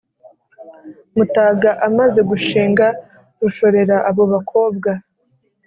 mutaga amaze gushinga rushorera abo bakobwa,